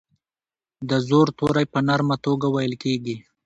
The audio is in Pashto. د زور توری په نرمه توګه ویل کیږي.